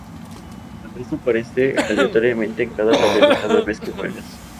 El resto aparece aleatoriamente en cada tablero cada vez que juegas.